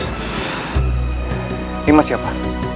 ini mas siapa